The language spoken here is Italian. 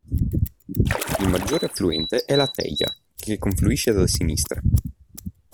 Il maggiore affluente è la Teja, che confluisce da sinistra.